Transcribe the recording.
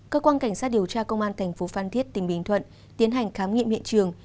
cơ quan cảnh sát điều tra công an thành phố phan thiết tỉnh bình thuận tiến hành khám nghiệm hiện trường